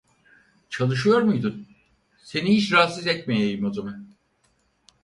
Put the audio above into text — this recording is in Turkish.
Çalışıyor muydun, seni hiç rahatsız etmeyeyim o zaman.